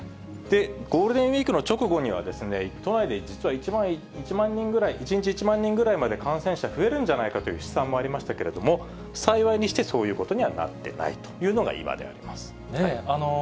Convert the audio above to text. ゴールデンウィークの直後には、都内で実は１万人ぐらい、１日１万人ぐらいまで感染者増えるんじゃないかという試算もありましたけれども、幸いにしてそういうことにはなってないというのが今であります。